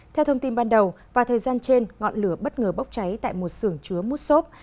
theo thông tin ban đầu vào thời gian trên ngọn lửa bất ngờ bốc cháy tại một sưởng chứa mút xốp